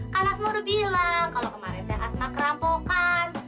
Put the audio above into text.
karena asma udah bilang kalau kemarin deh asma kerampokan